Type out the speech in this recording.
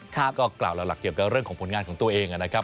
ก็กล่าวหลักเกี่ยวกับเรื่องของผลงานของตัวเองนะครับ